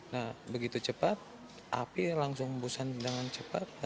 nah begitu cepat api langsung membusan dengan cepat